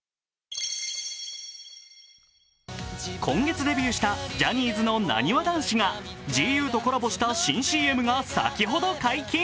今月デビューしたジャニーズのなにわ男子がＧＵとコラボした新ＣＭが先ほど解禁。